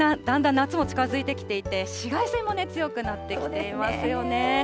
だんだん夏も近づいてきていて、紫外線も強くなってきていますよね。